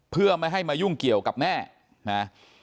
เพื่อไม่ให้มายุ่งเกี่ยวกับแม่นะ